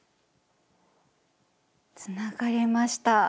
つながりました。